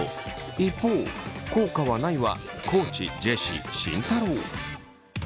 一方「効果はない」は地ジェシー慎太郎。